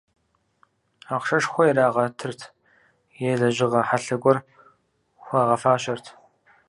Ахъшэшхуэ ирагъэтырт е лэжьыгъэ хьэлъэ гуэр хуагъэфащэрт.